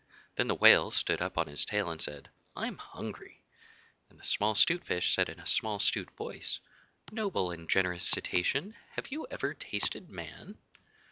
Then the Whale stood up on his tail and said, 'I'm hungry.' And the small 'Stute Fish said in a small 'stute voice, 'Noble and generous Cetacean, have you ever tasted Man?